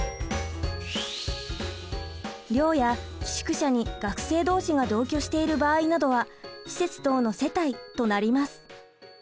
寮や寄宿舎に学生同士が同居している場合などは施設等の世帯となります。